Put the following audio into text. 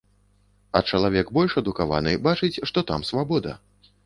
А чалавек больш адукаваны бачыць, што там свабода.